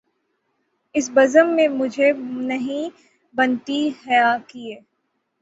اس بزم میں مجھے نہیں بنتی حیا کیے